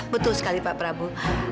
betul sekali pak prabu